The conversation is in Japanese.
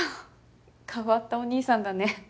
変わったお兄さんだね。